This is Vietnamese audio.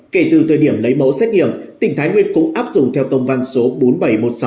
kể từ thời điểm lấy mẫu xét nghiệm tỉnh thái nguyên cũng áp dụng theo công văn số bốn nghìn bảy trăm một mươi sáu